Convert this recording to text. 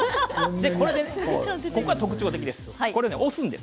ここが特徴的です。